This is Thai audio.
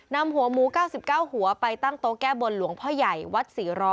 นำหัวหมู๙๙หัวไปตั้งโต๊ะแก้บนหลวงพ่อใหญ่วัด๔๐๐